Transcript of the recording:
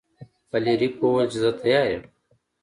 فلیریک وویل چې زه تیار یم.